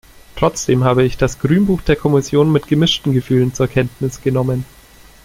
Trotzdem habe ich das Grünbuch der Kommission mit gemischten Gefühlen zur Kenntnis genommen.